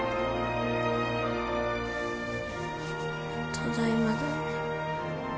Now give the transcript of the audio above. ただいまだね。